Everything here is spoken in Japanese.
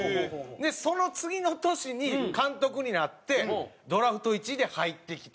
その次の年に監督になってドラフト１位で入ってきて。